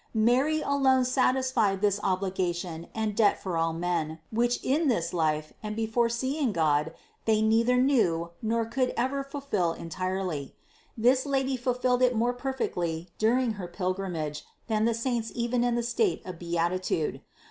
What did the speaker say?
Mary alone satisfied this obligation and debt for all men, which in this life and before seeing God they neither knew nor could ever fulfill entirely. This Lady fulfilled it more perfectly during her pilgrimage than the saints even in the state of beatitude.